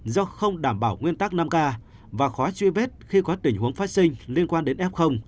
do không đảm bảo nguyên tắc năm k và khó truy vết khi có tình huống phát sinh liên quan đến f